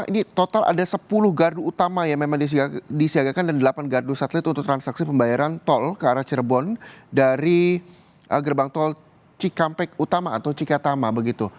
ini total ada sepuluh gardu utama yang memang disiagakan dan delapan gardu satelit untuk transaksi pembayaran tol ke arah cirebon dari gerbang tol cikampek utama atau cikatama begitu